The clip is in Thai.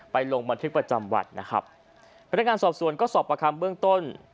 ลงบันทึกประจำวันนะครับพนักงานสอบสวนก็สอบประคำเบื้องต้น